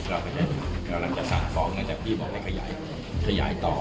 แล้วเราจะสั่งตอบจากพี่บอร์มากขยายต่อ